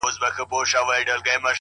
بيا به تاوان راکړې د زړگي گلي!